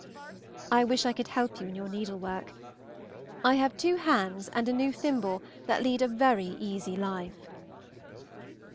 I wish I could help you in your needlework. I have two hands and a new thimble that lead a very easy life.